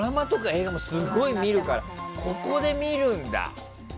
映画もすごい見るからここで見るんだ。